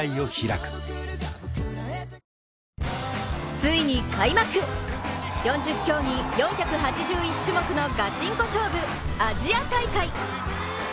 ついに開幕、４０競技４８１種目のガチンコ勝負アジア大会。